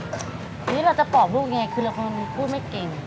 ทีนี้เราจะปอบลูกยังไงคือเราคงพูดไม่เก่ง